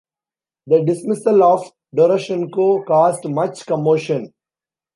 The dismissal of Doroshenko caused much commotion.